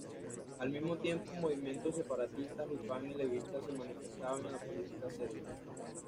Al mismo tiempo movimientos separatistas y pan-eslavistas se manifestaban en la política serbia.